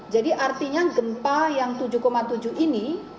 jadi artinya gempa yang tujuh tujuh ini